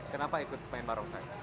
kenapa ikut pemain barongsai